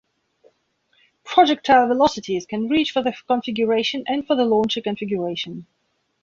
Projectile velocities can reach for the configuration and for the launcher configuration.